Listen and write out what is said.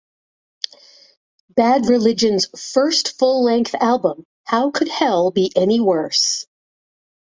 Bad Religion's first full-length album, How Could Hell Be Any Worse?